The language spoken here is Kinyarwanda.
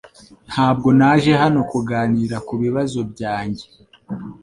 Ntabwo naje hano kuganira kubibazo byanjye.